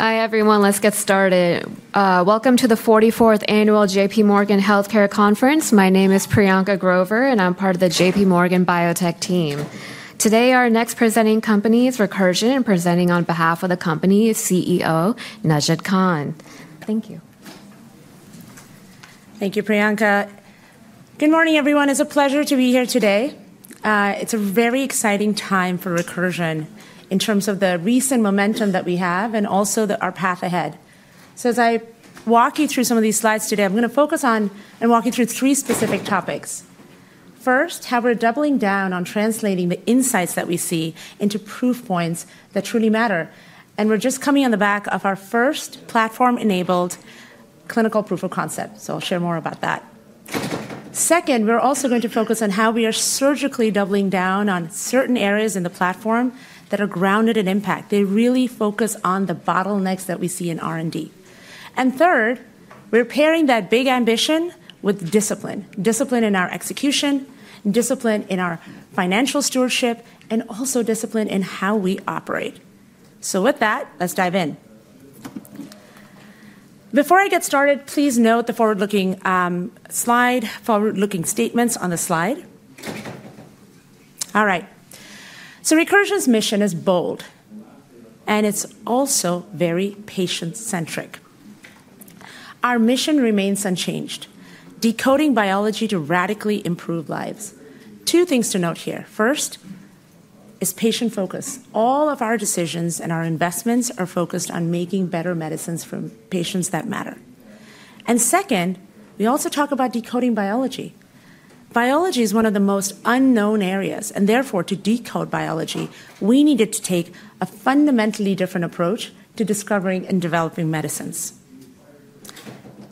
Hi, everyone. Let's get started. Welcome to the 44th Annual J.P. Morgan Healthcare Conference. My name is Priyanka Grover, and I'm part of the J.P. Morgan Biotech team. Today, our next presenting company is Recursion, and presenting on behalf of the company is CEO Najat Khan. Thank you. Thank you, Priyanka. Good morning, everyone. It's a pleasure to be here today. It's a very exciting time for Recursion in terms of the recent momentum that we have and also our path ahead. So, as I walk you through some of these slides today, I'm going to focus on and walk you through three specific topics. First, how we're doubling down on translating the insights that we see into proof points that truly matter. And we're just coming on the back of our first platform-enabled clinical proof of concept. So, I'll share more about that. Second, we're also going to focus on how we are surgically doubling down on certain areas in the platform that are grounded in impact. They really focus on the bottlenecks that we see in R&D. And third, we're pairing that big ambition with discipline. Discipline in our execution, discipline in our financial stewardship, and also discipline in how we operate. So, with that, let's dive in. Before I get started, please note the forward-looking slide, forward-looking statements on the slide. All right. So, Recursion's mission is bold, and it's also very patient-centric. Our mission remains unchanged: decoding biology to radically improve lives. Two things to note here. First is patient focus. All of our decisions and our investments are focused on making better medicines for patients that matter. And second, we also talk about decoding biology. Biology is one of the most unknown areas, and therefore, to decode biology, we needed to take a fundamentally different approach to discovering and developing medicines.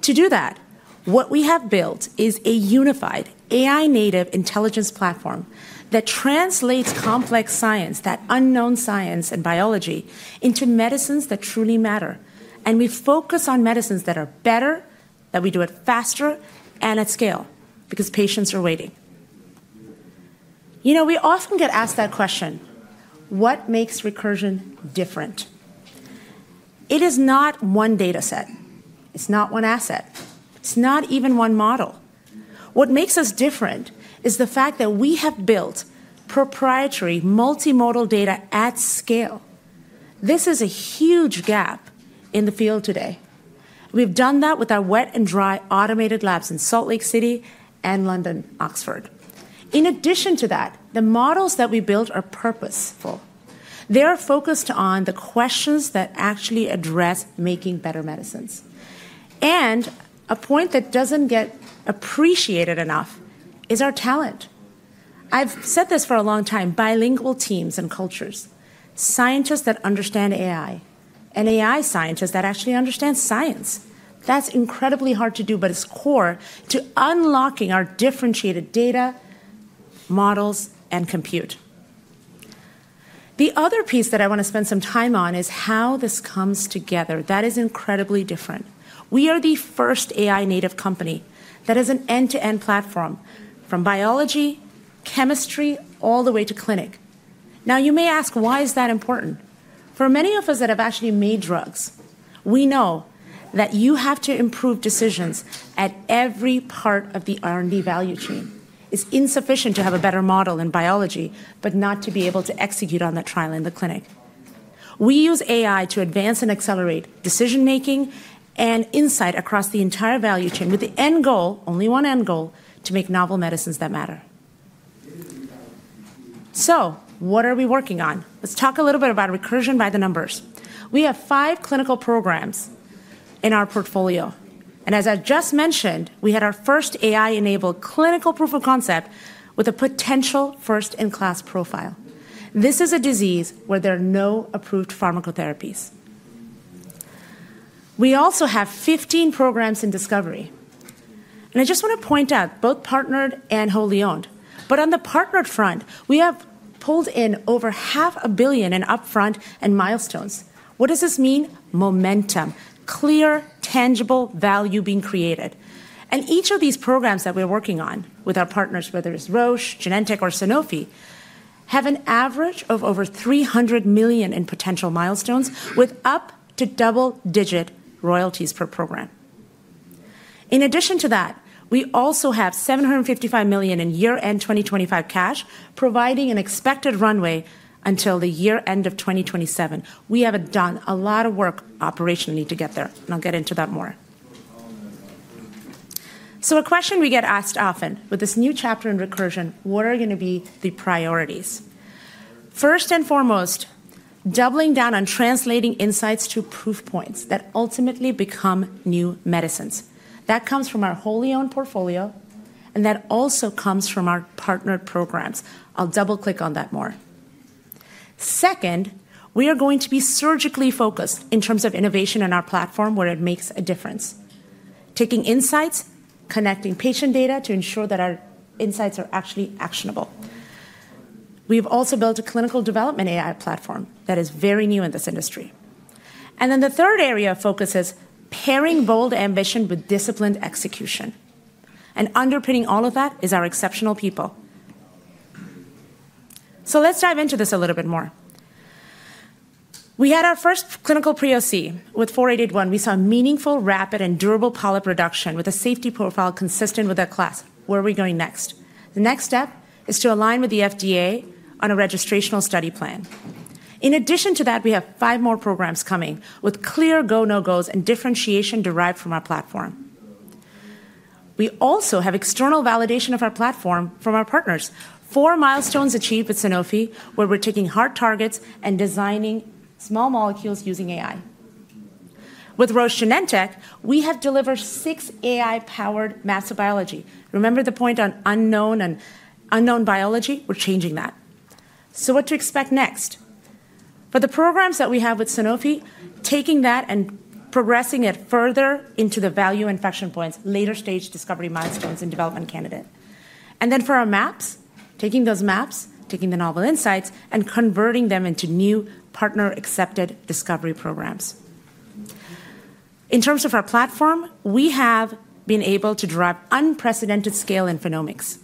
To do that, what we have built is a unified AI-native intelligence platform that translates complex science, that unknown science and biology, into medicines that truly matter. and we focus on medicines that are better, that we do it faster, and at scale, because patients are waiting. You know, we often get asked that question: what makes Recursion different? It is not one data set. It's not one asset. It's not even one model. What makes us different is the fact that we have built proprietary multimodal data at scale. This is a huge gap in the field today. We've done that with our wet and dry automated labs in Salt Lake City and London, Oxford. In addition to that, the models that we built are purposeful. They are focused on the questions that actually address making better medicines. And a point that doesn't get appreciated enough is our talent. I've said this for a long time: bilingual teams and cultures, scientists that understand AI, and AI scientists that actually understand science. That's incredibly hard to do, but it's core to unlocking our differentiated data, models, and compute. The other piece that I want to spend some time on is how this comes together. That is incredibly different. We are the first AI-native company that has an end-to-end platform from biology, chemistry, all the way to clinic. Now, you may ask, why is that important? For many of us that have actually made drugs, we know that you have to improve decisions at every part of the R&D value chain. It's insufficient to have a better model in biology but not to be able to execute on that trial in the clinic. We use AI to advance and accelerate decision-making and insight across the entire value chain, with the end goal, only one end goal, to make novel medicines that matter. So, what are we working on? Let's talk a little bit about Recursion by the numbers. We have five clinical programs in our portfolio. And as I just mentioned, we had our first AI-enabled clinical proof of concept with a potential first-in-class profile. This is a disease where there are no approved pharmacotherapies. We also have 15 programs in discovery. And I just want to point out both partnered and wholly owned. But on the partnered front, we have pulled in over $500 million in upfront and milestones. What does this mean? Momentum. Clear, tangible value being created. And each of these programs that we're working on with our partners, whether it's Roche, Genentech, or Sanofi, have an average of over $300 million in potential milestones, with up to double-digit royalties per program. In addition to that, we also have $755 million in year-end 2025 cash, providing an expected runway until the year-end of 2027. We have done a lot of work operationally to get there, and I'll get into that more. So, a question we get asked often with this new chapter in Recursion: what are going to be the priorities? First and foremost, doubling down on translating insights to proof points that ultimately become new medicines. That comes from our wholly owned portfolio, and that also comes from our partnered programs. I'll double-click on that more. Second, we are going to be surgically focused in terms of innovation in our platform where it makes a difference, taking insights, connecting patient data to ensure that our insights are actually actionable. We've also built a clinical development AI platform that is very new in this industry. And then the third area of focus is pairing bold ambition with disciplined execution. And underpinning all of that is our exceptional people. So, let's dive into this a little bit more. We had our first clinical POC with 4881. We saw meaningful, rapid, and durable polyp reduction with a safety profile consistent with our class. Where are we going next? The next step is to align with the FDA on a registrational study plan. In addition to that, we have five more programs coming with clear go/no gos and differentiation derived from our platform. We also have external validation of our platform from our partners. Four milestones achieved with Sanofi, where we're taking hard targets and designing small molecules using AI. With Roche Genentech, we have delivered six AI-powered Maps of biology. Remember the point on unknown and unknown biology? We're changing that. So, what to expect next? For the programs that we have with Sanofi, taking that and progressing it further into the value inflection points, later-stage discovery milestones and development candidate. Then for our Maps, taking those Maps, taking the novel insights, and converting them into new partner-accepted discovery programs. In terms of our platform, we have been able to drive unprecedented scale in phenomics.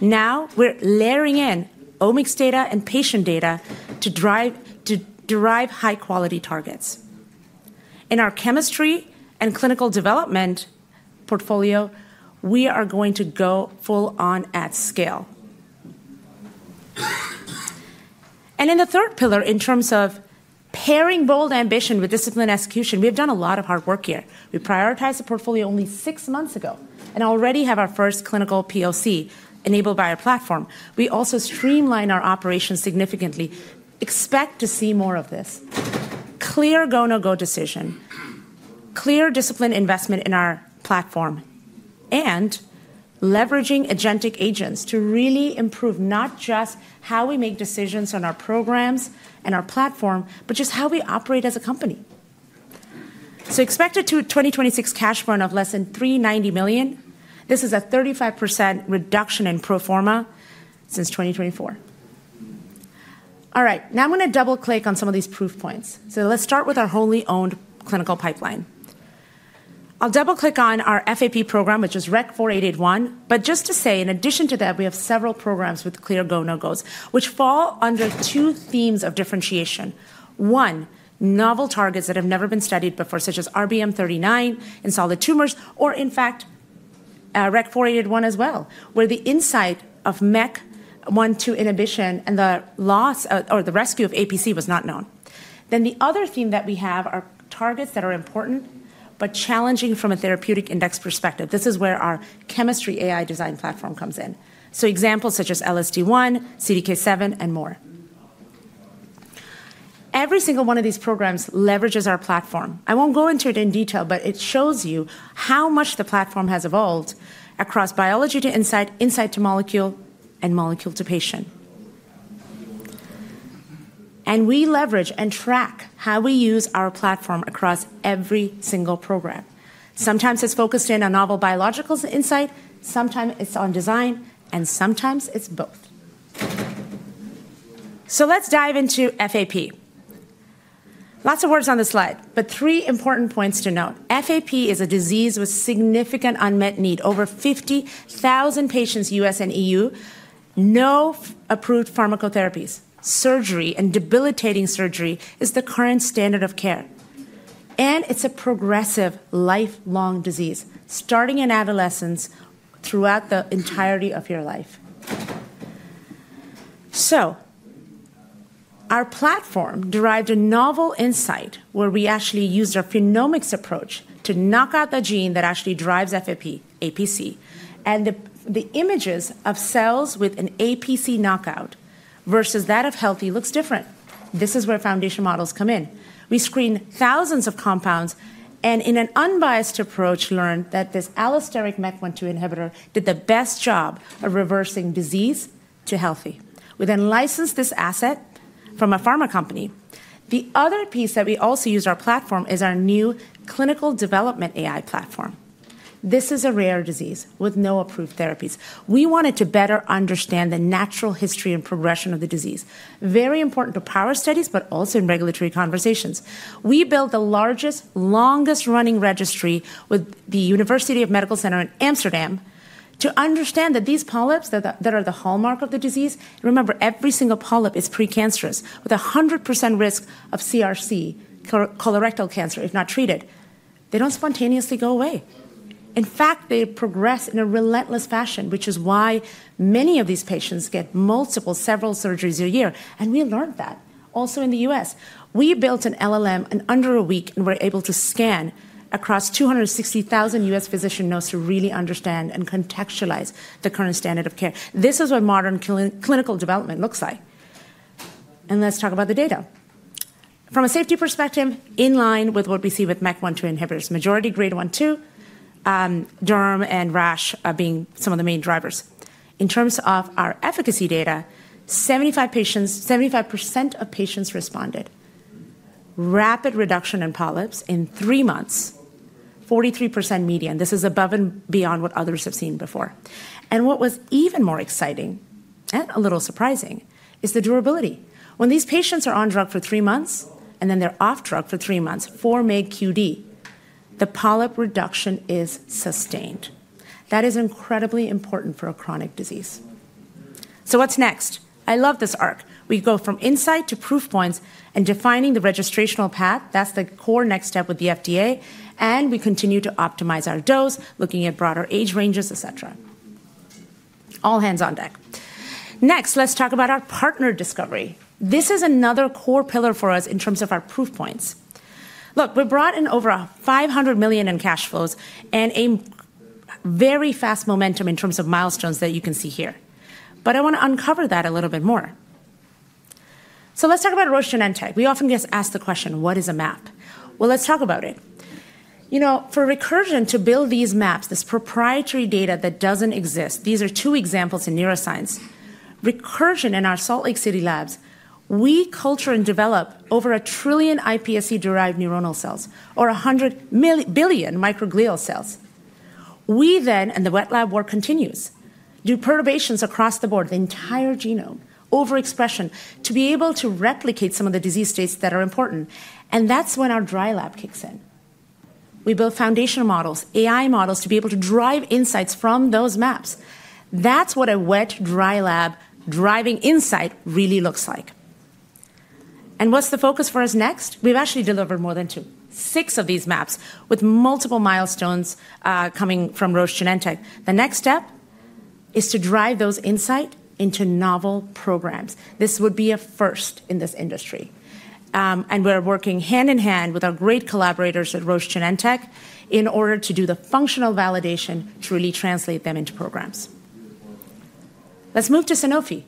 Now, we're layering in omics data and patient data to drive high-quality targets. In our chemistry and clinical development portfolio, we are going to go full-on at scale. In the third pillar, in terms of pairing bold ambition with disciplined execution, we have done a lot of hard work here. We prioritized the portfolio only six months ago and already have our first clinical POC enabled by our platform. We also streamlined our operations significantly. Expect to see more of this. Clear go/no-go decision, clear discipline investment in our platform, and leveraging agentic agents to really improve not just how we make decisions on our programs and our platform, but just how we operate as a company. So, expected to 2026 cash burn of less than $390 million. This is a 35% reduction in pro forma since 2024. All right. Now, I'm going to double-click on some of these proof points. So, let's start with our wholly owned clinical pipeline. I'll double-click on our FAP program, which is REC-4881. But just to say, in addition to that, we have several programs with clear go/no-gos, which fall under two themes of differentiation. One, novel targets that have never been studied before, such as RBM39 in solid tumors, or in fact, REC-4881 as well, where the insight of MEK1/2 inhibition and the loss or the rescue of APC was not known, then the other theme that we have are targets that are important but challenging from a therapeutic index perspective. This is where our chemistry AI design platform comes in, so examples such as LSD1, CDK7, and more. Every single one of these programs leverages our platform. I won't go into it in detail, but it shows you how much the platform has evolved across biology to insight, insight to molecule, and molecule to patient, and we leverage and track how we use our platform across every single program. Sometimes it's focused in on novel biological insight, sometimes it's on design, and sometimes it's both, so let's dive into FAP. Lots of words on the slide, but three important points to note. FAP is a disease with significant unmet need. Over 50,000 patients, US and EU, no approved pharmacotherapies. Surgery and debilitating surgery is the current standard of care. It's a progressive lifelong disease, starting in adolescence throughout the entirety of your life. Our platform derived a novel insight where we actually used our phenomics approach to knock out the gene that actually drives FAP, APC. The images of cells with an APC knockout versus that of healthy look different. This is where foundation models come in. We screen thousands of compounds and, in an unbiased approach, learned that this allosteric MEK1/2 inhibitor did the best job of reversing disease to healthy. We then licensed this asset from a pharma company. The other piece that we also use our platform is our new clinical development AI platform. This is a rare disease with no approved therapies. We wanted to better understand the natural history and progression of the disease. Very important to power studies, but also in regulatory conversations. We built the largest, longest-running registry with the Amsterdam University Medical Centers to understand that these polyps that are the hallmark of the disease, remember, every single polyp is precancerous with a 100% risk of CRC, colorectal cancer, if not treated. They don't spontaneously go away. In fact, they progress in a relentless fashion, which is why many of these patients get multiple, several surgeries a year, and we learned that also in the U.S. We built an LLM in under a week, and we're able to scan across 260,000 U.S. physician notes to really understand and contextualize the current standard of care. This is what modern clinical development looks like, and let's talk about the data. From a safety perspective, in line with what we see with MEK1/2 inhibitors, majority grade 1-2, derm and rash being some of the main drivers. In terms of our efficacy data, 75% of patients responded. Rapid reduction in polyps in three months, 43% median. This is above and beyond what others have seen before, and what was even more exciting and a little surprising is the durability. When these patients are on drug for three months and then they're off drug for three months, 4 mg QD, the polyp reduction is sustained. That is incredibly important for a chronic disease. So, what's next? I love this arc. We go from insight to proof points and defining the registrational path. That's the core next step with the FDA, and we continue to optimize our dose, looking at broader age ranges, et cetera. All hands on deck. Next, let's talk about our partner discovery. This is another core pillar for us in terms of our proof points. Look, we brought in over $500 million in cash flows and a very fast momentum in terms of milestones that you can see here. But I want to uncover that a little bit more. So, let's talk about Roche Genentech. We often get asked the question, what is a Map? Well, let's talk about it. You know, for Recursion to build these Maps, this proprietary data that doesn't exist, these are two examples in neuroscience. Recursion in our Salt Lake City labs, we culture and develop over a trillion iPSC-derived neuronal cells or 100 billion microglial cells. We then, and the wet lab work continues, do perturbations across the board, the entire genome, overexpression to be able to replicate some of the disease states that are important. And that's when our dry lab kicks in. We build foundational models, AI models, to be able to drive insights from those Maps. That's what a wet, dry lab driving insight really looks like. And what's the focus for us next? We've actually delivered more than twenty-six of these Maps with multiple milestones coming from Roche Genentech. The next step is to drive those insights into novel programs. This would be a first in this industry. And we're working hand in hand with our great collaborators at Roche Genentech in order to do the functional validation, truly translate them into programs. Let's move to Sanofi.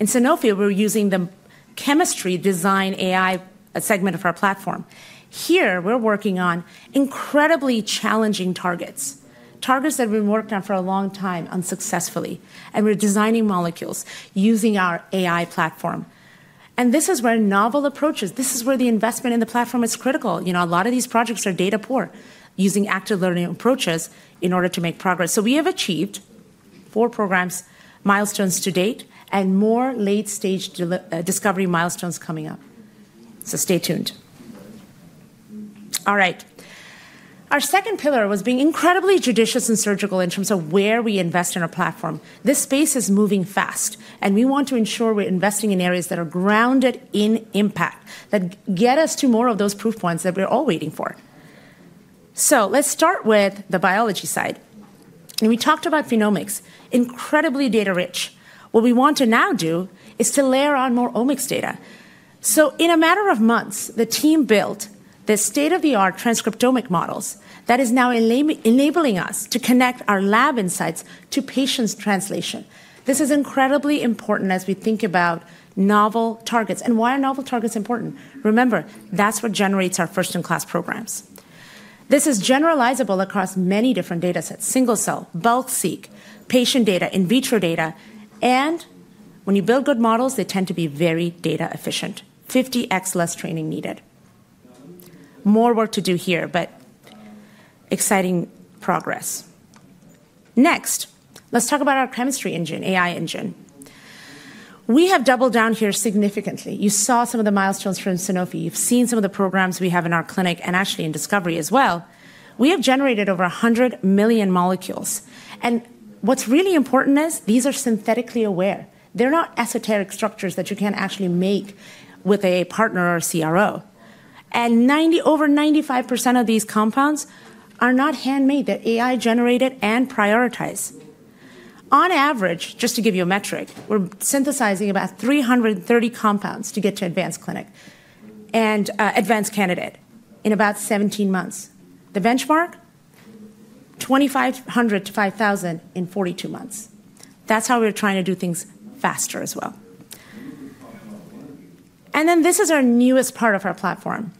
In Sanofi, we're using the chemistry design AI segment of our platform. Here, we're working on incredibly challenging targets, targets that we've worked on for a long time unsuccessfully. And we're designing molecules using our AI platform. This is where novel approaches, this is where the investment in the platform is critical. You know, a lot of these projects are data poor, using active learning approaches in order to make progress. So, we have achieved four programs, milestones to date, and more late-stage discovery milestones coming up. So, stay tuned. All right. Our second pillar was being incredibly judicious and surgical in terms of where we invest in our platform. This space is moving fast, and we want to ensure we're investing in areas that are grounded in impact that get us to more of those proof points that we're all waiting for. So, let's start with the biology side. We talked about phenomics, incredibly data rich. What we want to now do is to layer on more omics data. In a matter of months, the team built the state-of-the-art transcriptomic models that is now enabling us to connect our lab insights to patients' translation. This is incredibly important as we think about novel targets. Why are novel targets important? Remember, that's what generates our first-in-class programs. This is generalizable across many different data sets: single-cell, bulk seq, patient data, in vitro data. When you build good models, they tend to be very data efficient, 50x less training needed. More work to do here, but exciting progress. Next, let's talk about our chemistry engine, AI engine. We have doubled down here significantly. You saw some of the milestones from Sanofi. You've seen some of the programs we have in our clinic and actually in discovery as well. We have generated over 100 million molecules. What's really important is these are synthetically aware. They're not esoteric structures that you can't actually make with a partner or a CRO. And over 95% of these compounds are not handmade. They're AI-generated and prioritized. On average, just to give you a metric, we're synthesizing about 330 compounds to get to advanced clinical and advanced candidate in about 17 months. The benchmark? 2,500-5,000 in 42 months. That's how we're trying to do things faster as well. And then this is our newest part of our platform.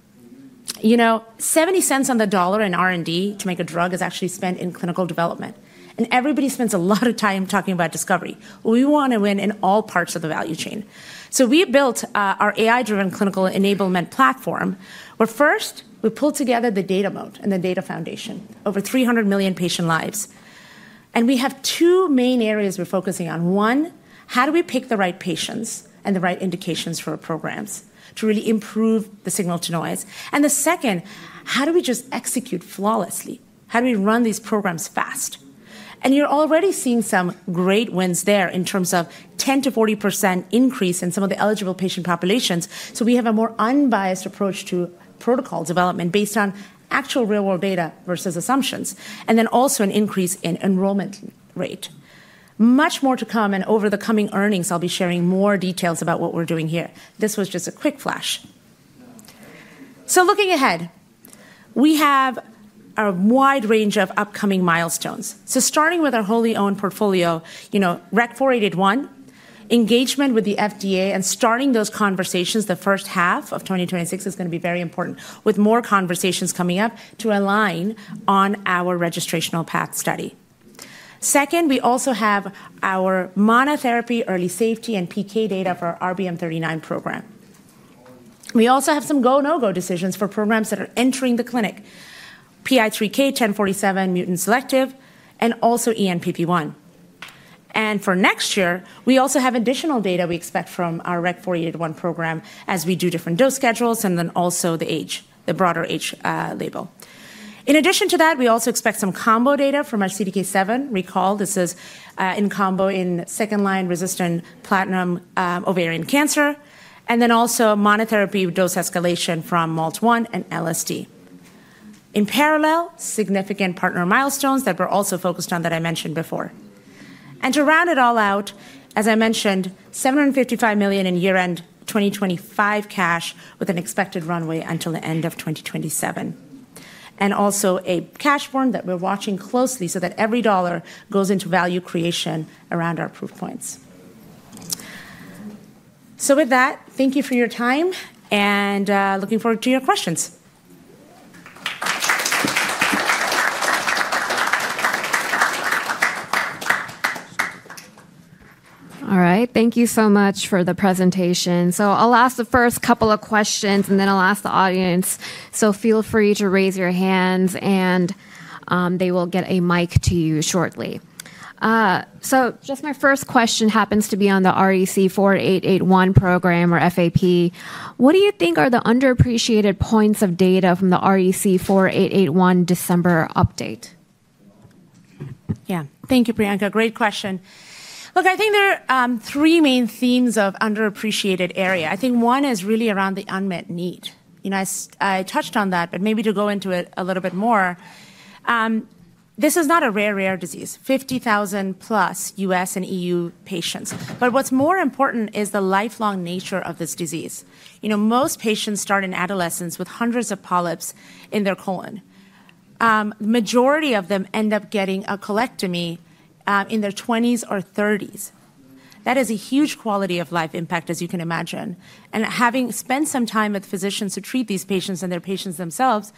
You know, 70 cents on the dollar in R&D to make a drug is actually spent in clinical development. And everybody spends a lot of time talking about discovery. We want to win in all parts of the value chain. So, we built our AI-driven clinical enablement platform, where first we pulled together the data model and the data foundation, over 300 million patient lives. And we have two main areas we're focusing on. One, how do we pick the right patients and the right indications for our programs to really improve the signal-to-noise? And the second, how do we just execute flawlessly? How do we run these programs fast? And you're already seeing some great wins there in terms of 10%-40% increase in some of the eligible patient populations. So, we have a more unbiased approach to protocol development based on actual real-world data versus assumptions, and then also an increase in enrollment rate. Much more to come, and over the coming earnings, I'll be sharing more details about what we're doing here. This was just a quick flash. So, looking ahead, we have a wide range of upcoming milestones. So, starting with our wholly owned portfolio, you know, REC-4881, engagement with the FDA, and starting those conversations, the first half of 2026 is going to be very important, with more conversations coming up to align on our registrational path study. Second, we also have our monotherapy early safety and PK data for our RBM39 program. We also have some go/no-go decisions for programs that are entering the clinic: PI3K, 1047, mutant selective, and also ENPP1. And for next year, we also have additional data we expect from our REC-4881 program as we do different dose schedules and then also the age, the broader age label. In addition to that, we also expect some combo data from our CDK7. Recall, this is in combo in second-line platinum-resistant ovarian cancer, and then also monotherapy dose escalation from MALT1 and LSD1. In parallel, significant partner milestones that we're also focused on that I mentioned before. And to round it all out, as I mentioned, $755 million in year-end 2025 cash with an expected runway until the end of 2027. And also a cash burn that we're watching closely so that every dollar goes into value creation around our proof points. So, with that, thank you for your time, and looking forward to your questions. All right. Thank you so much for the presentation. So, I'll ask the first couple of questions, and then I'll ask the audience. So, feel free to raise your hands, and they will get a mic to you shortly. So, just my first question happens to be on the REC-4881 program or FAP. What do you think are the underappreciated points of data from the REC-4881 December update? Yeah, thank you, Priyanka. Great question. Look, I think there are three main themes of underappreciated area. I think one is really around the unmet need. You know, I touched on that, but maybe to go into it a little bit more, this is not a rare, rare disease, 50,000 plus U.S. and EU patients. But what's more important is the lifelong nature of this disease. You know, most patients start in adolescence with hundreds of polyps in their colon. The majority of them end up getting a colectomy in their 20s or 30s. That is a huge quality of life impact, as you can imagine. And having spent some time with physicians to treat these patients and their patients themselves,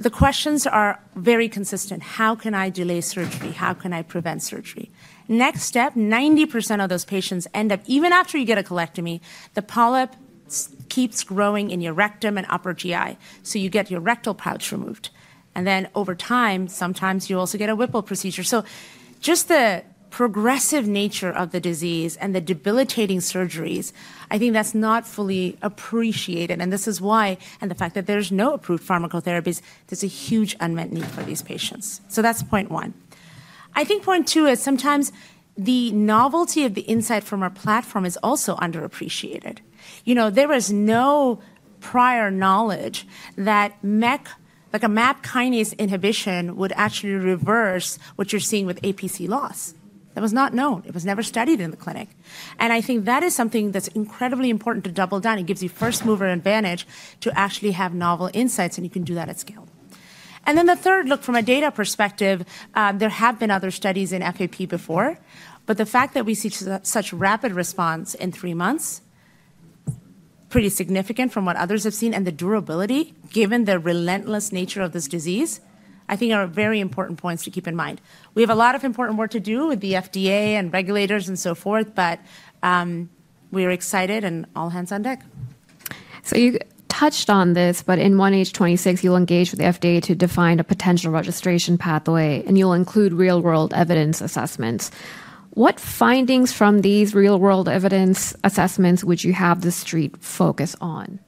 the questions are very consistent. How can I delay surgery? How can I prevent surgery? Next, 90% of those patients end up, even after you get a colectomy, the polyp keeps growing in your rectum and upper GI, so you get your rectal pouch removed. And then, over time, sometimes you also get a Whipple procedure. So, just the progressive nature of the disease and the debilitating surgeries, I think that's not fully appreciated. And this is why, and the fact that there's no approved pharmacotherapies, there's a huge unmet need for these patients. So, that's point one. I think point two is sometimes the novelty of the insight from our platform is also underappreciated. You know, there was no prior knowledge that MEK, like a MEK kinase inhibition, would actually reverse what you're seeing with APC loss. That was not known. It was never studied in the clinic. And I think that is something that's incredibly important to double down. It gives you first-mover advantage to actually have novel insights, and you can do that at scale, and then the third, look, from a data perspective, there have been other studies in FAP before, but the fact that we see such rapid response in three months, pretty significant from what others have seen, and the durability, given the relentless nature of this disease, I think are very important points to keep in mind. We have a lot of important work to do with the FDA and regulators and so forth, but we are excited and all hands on deck. So, you touched on this, but in 1H26, you'll engage with the FDA to define a potential registration pathway, and you'll include real-world evidence assessments. What findings from these real-world evidence assessments would you have the street focus on?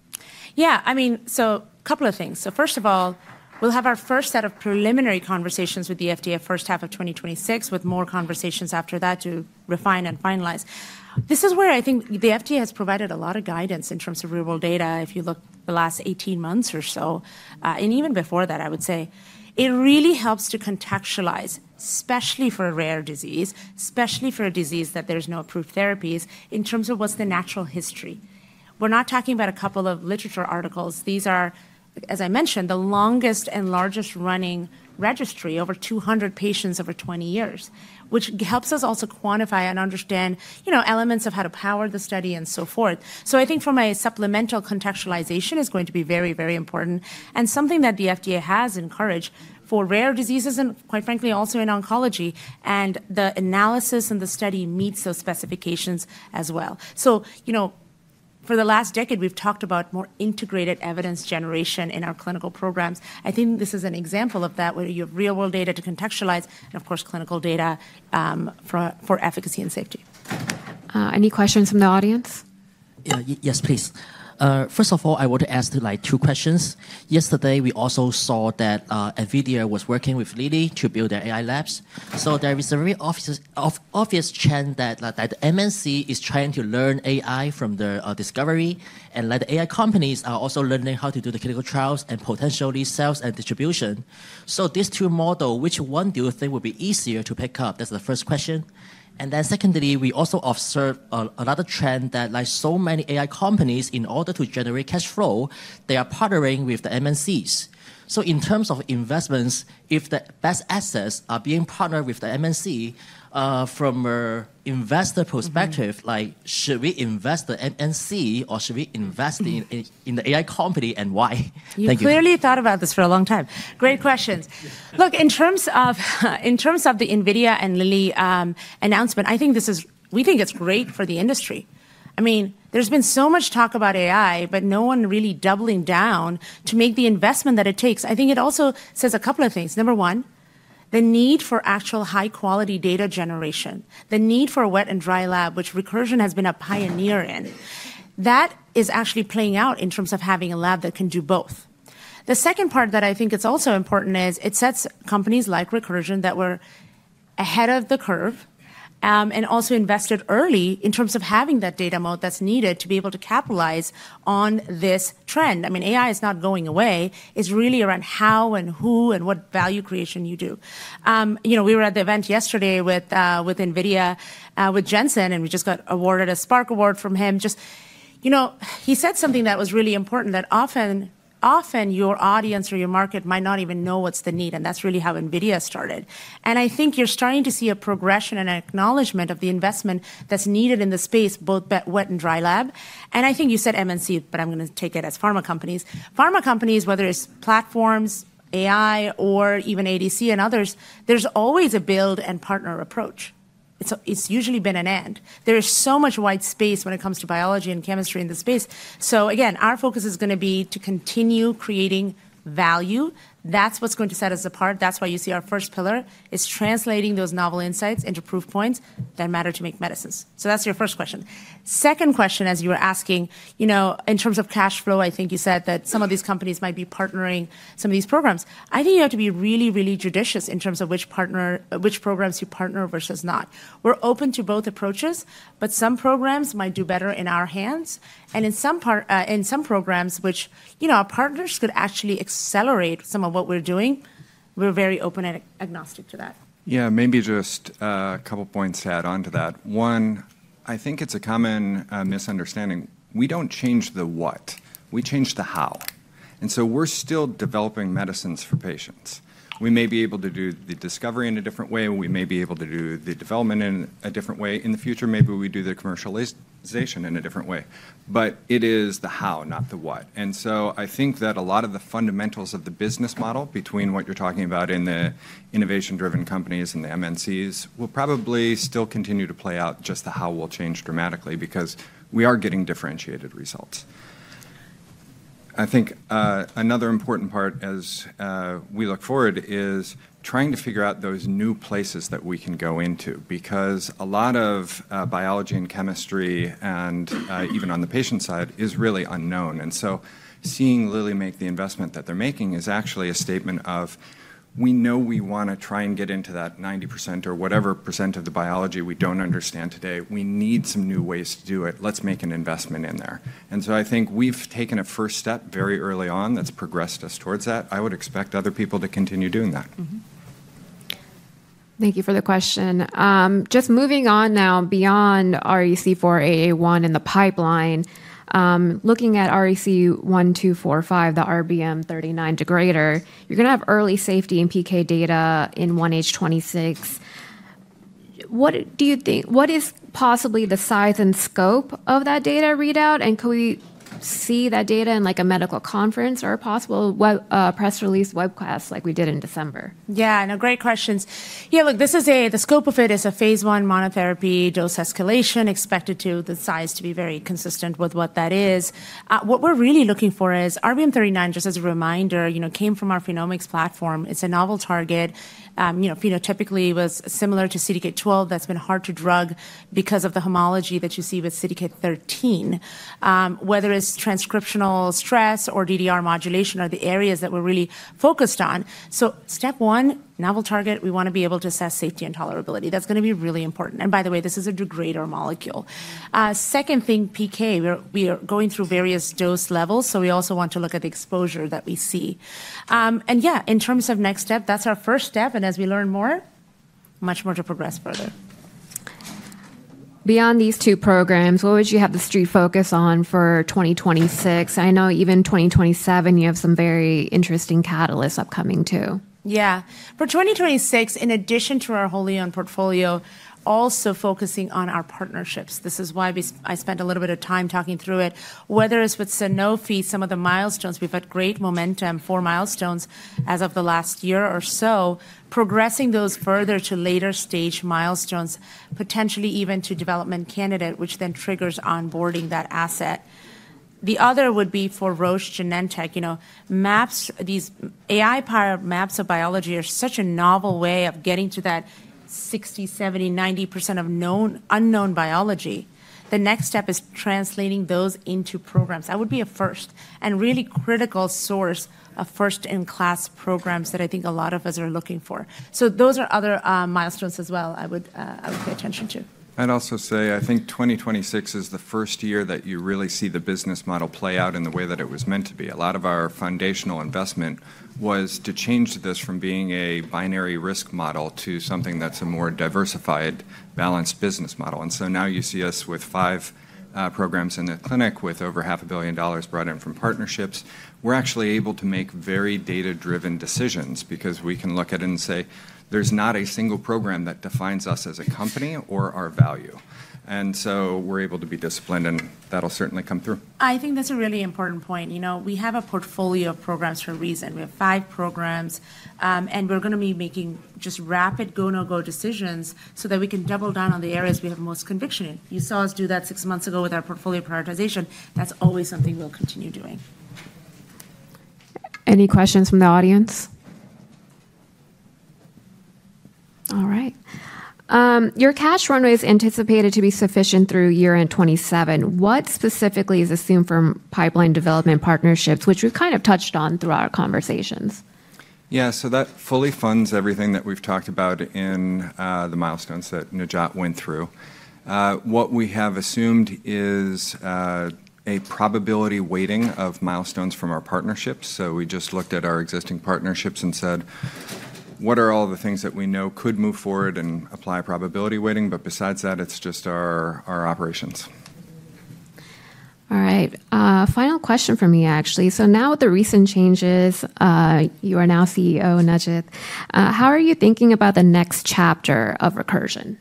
Yeah, I mean, so a couple of things. So, first of all, we'll have our first set of preliminary conversations with the FDA first half of 2026, with more conversations after that to refine and finalize. This is where I think the FDA has provided a lot of guidance in terms of real-world data. If you look the last 18 months or so, and even before that, I would say, it really helps to contextualize, especially for a rare disease, especially for a disease that there's no approved therapies, in terms of what's the natural history. We're not talking about a couple of literature articles. These are, as I mentioned, the longest and largest running registry, over 200 patients over 20 years, which helps us also quantify and understand, you know, elements of how to power the study and so forth. So, I think form of supplemental contextualization is going to be very, very important, and something that the FDA has encouraged for rare diseases and, quite frankly, also in oncology, and the analysis and the study meets those specifications as well. So, you know, for the last decade, we've talked about more integrated evidence generation in our clinical programs. I think this is an example of that where you have real-world data to contextualize and, of course, clinical data for efficacy and safety. Any questions from the audience? Yes, please. First of all, I want to ask two questions. Yesterday, we also saw that NVIDIA was working with Lilly to build their AI labs. So, there is a real obvious trend that the MNC is trying to learn AI from the discovery, and the AI companies are also learning how to do the clinical trials and potentially sales and distribution. So, these two models, which one do you think would be easier to pick up? That's the first question. And then secondly, we also observed another trend that, like so many AI companies, in order to generate cash flow, they are partnering with the MNCs. So, in terms of investments, if the best assets are being partnered with the MNC from an investor perspective, like, should we invest the MNC or should we invest in the AI company and why? Thank you. You've clearly thought about this for a long time. Great questions. Look, in terms of the NVIDIA and Lilly announcement, I think this is, we think it's great for the industry. I mean, there's been so much talk about AI, but no one really doubling down to make the investment that it takes. I think it also says a couple of things. Number one, the need for actual high-quality data generation, the need for a wet and dry lab, which Recursion has been a pioneer in, that is actually playing out in terms of having a lab that can do both. The second part that I think is also important is it sets companies like Recursion that were ahead of the curve and also invested early in terms of having that data moat that's needed to be able to capitalize on this trend. I mean, AI is not going away. It's really around how and who and what value creation you do. You know, we were at the event yesterday with NVIDIA, with Jensen, and we just got awarded a Spark Award from him. Just, you know, he said something that was really important that often, often your audience or your market might not even know what's the need, and that's really how NVIDIA started. And I think you're starting to see a progression and acknowledgment of the investment that's needed in the space, both wet and dry lab. And I think you said MNC, but I'm going to take it as pharma companies. Pharma companies, whether it's platforms, AI, or even ADC and others, there's always a build and partner approach. It's usually been an end. There is so much white space when it comes to biology and chemistry in the space. So, again, our focus is going to be to continue creating value. That's what's going to set us apart. That's why you see our first pillar is translating those novel insights into proof points that matter to make medicines. So, that's your first question. Second question, as you were asking, you know, in terms of cash flow, I think you said that some of these companies might be partnering some of these programs. I think you have to be really, really judicious in terms of which partner, which programs you partner versus not. We're open to both approaches, but some programs might do better in our hands, and in some programs, which, you know, our partners could actually accelerate some of what we're doing, we're very open and agnostic to that. Yeah, maybe just a couple points to add on to that. One, I think it's a common misunderstanding. We don't change the what. We change the how. And so, we're still developing medicines for patients. We may be able to do the discovery in a different way. We may be able to do the development in a different way. In the future, maybe we do the commercialization in a different way. But it is the how, not the what. And so, I think that a lot of the fundamentals of the business model between what you're talking about in the innovation-driven companies and the MNCs will probably still continue to play out. Just the how will change dramatically because we are getting differentiated results. I think another important part as we look forward is trying to figure out those new places that we can go into because a lot of biology and chemistry and even on the patient side is really unknown, and so seeing Lilly make the investment that they're making is actually a statement of, we know we want to try and get into that 90% or whatever % of the biology we don't understand today. We need some new ways to do it. Let's make an investment in there, and so I think we've taken a first step very early on that's progressed us towards that. I would expect other people to continue doing that. Thank you for the question. Just moving on now, beyond REC-4881 in the pipeline, looking at REC-1245, the RBM39 degrader, you're going to have early safety and PK data in 1H26. What do you think, what is possibly the size and scope of that data readout? And can we see that data in like a medical conference or a possible press release webcast like we did in December? Yeah, no, great questions. Yeah, look, this is a, the scope of it is a phase one monotherapy dose escalation expected to the size to be very consistent with what that is. What we're really looking for is RBM39, just as a reminder, you know, came from our phenomics platform. It's a novel target. You know, phenotypically it was similar to CDK12. That's been hard to drug because of the homology that you see with CDK13, whether it's transcriptional stress or DDR modulation are the areas that we're really focused on. So, step one, novel target, we want to be able to assess safety and tolerability. That's going to be really important. And by the way, this is a degrader molecule. Second thing, PK, we are going through various dose levels, so we also want to look at the exposure that we see. Yeah, in terms of next step, that's our first step. As we learn more, much more to progress further. Beyond these two programs, what would you have the street focus on for 2026? I know even 2027, you have some very interesting catalysts upcoming too. Yeah, for 2026, in addition to our wholly owned portfolio, also focusing on our partnerships. This is why I spent a little bit of time talking through it, whether it's with Sanofi, some of the milestones, we've had great momentum for milestones as of the last year or so, progressing those further to later stage milestones, potentially even to development candidate, which then triggers onboarding that asset. The other would be for Roche Genentech, you know, Maps, these AI Maps of biology are such a novel way of getting to that 60%, 70%, 90% of known, unknown biology. The next step is translating those into programs. That would be a first and really critical source of first-in-class programs that I think a lot of us are looking for. So, those are other milestones as well I would pay attention to. I'd also say, I think 2026 is the first year that you really see the business model play out in the way that it was meant to be. A lot of our foundational investment was to change this from being a binary risk model to something that's a more diversified, balanced business model. And so, now you see us with five programs in the clinic with over $500 million brought in from partnerships. We're actually able to make very data-driven decisions because we can look at it and say, there's not a single program that defines us as a company or our value. And so, we're able to be disciplined, and that'll certainly come through. I think that's a really important point. You know, we have a portfolio of programs for a reason. We have five programs, and we're going to be making just rapid go/no-go decisions so that we can double down on the areas we have most conviction in. You saw us do that six months ago with our portfolio prioritization. That's always something we'll continue doing. Any questions from the audience? All right. Your cash runway is anticipated to be sufficient through year end 2027. What specifically is assumed from pipeline development partnerships, which we've kind of touched on throughout our conversations? Yeah, so that fully funds everything that we've talked about in the milestones that Najat went through. What we have assumed is a probability weighting of milestones from our partnerships. So, we just looked at our existing partnerships and said, what are all the things that we know could move forward and apply probability weighting? But besides that, it's just our operations. All right. Final question for me, actually. So, now with the recent changes, you are now CEO, Najat. How are you thinking about the next chapter of Recursion?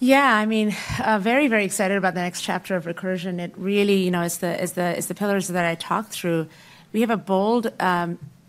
Yeah, I mean, very, very excited about the next chapter of Recursion. It really, you know, is the pillars that I talked through. We have a bold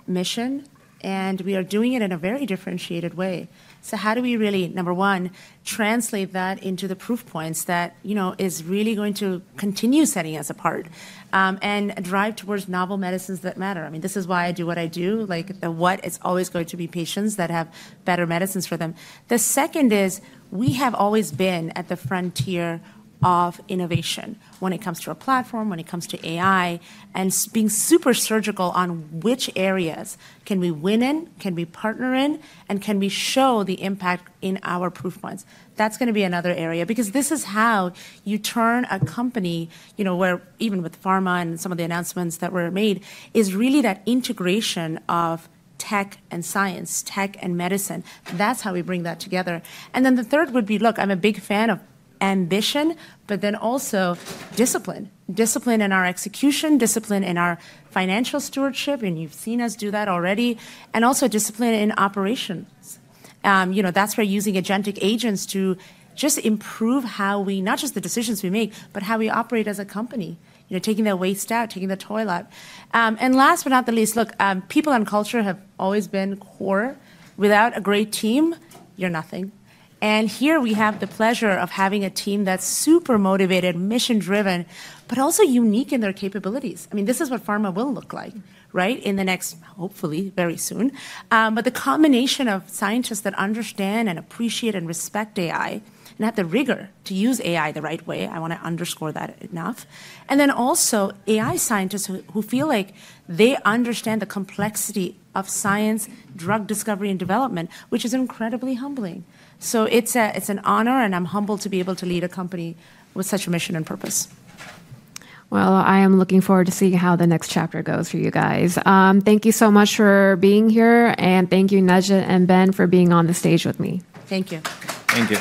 mission, and we are doing it in a very differentiated way. So, how do we really, number one, translate that into the proof points that, you know, is really going to continue setting us apart and drive towards novel medicines that matter? I mean, this is why I do what I do. Like the what, it's always going to be patients that have better medicines for them. The second is we have always been at the frontier of innovation when it comes to a platform, when it comes to AI, and being super surgical on which areas can we win in, can we partner in, and can we show the impact in our proof points. That's going to be another area because this is how you turn a company, you know, where even with pharma and some of the announcements that were made, is really that integration of tech and science, tech and medicine. That's how we bring that together. And then the third would be, look, I'm a big fan of ambition, but then also discipline. Discipline in our execution, discipline in our financial stewardship, and you've seen us do that already, and also discipline in operations. You know, that's where using agentic agents to just improve how we, not just the decisions we make, but how we operate as a company, you know, taking the waste out, taking the toil. And last but not least, look, people and culture have always been core. Without a great team, you're nothing. Here we have the pleasure of having a team that's super motivated, mission-driven, but also unique in their capabilities. I mean, this is what pharma will look like, right, in the next, hopefully, very soon. The combination of scientists that understand and appreciate and respect AI and have the rigor to use AI the right way. I want to underscore that enough. AI scientists who feel like they understand the complexity of science, drug discovery and development, which is incredibly humbling. It's an honor, and I'm humbled to be able to lead a company with such a mission and purpose. I am looking forward to seeing how the next chapter goes for you guys. Thank you so much for being here, and thank you, Najat and Ben, for being on the stage with me. Thank you. Thank you.